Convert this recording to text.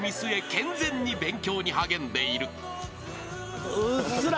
健全に勉強に励んでいる］